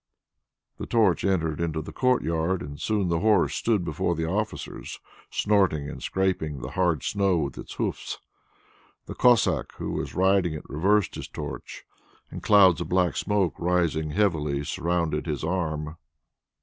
The torch entered into the courtyard, and soon the horse stood before the officers, snorting and scraping the hard snow with its hoofs. The Cossack who was riding it reversed his torch, and clouds of black smoke, rising heavily, surrounded his arm.